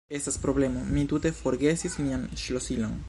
Estas problemo: mi tute forgesis mian ŝlosilon.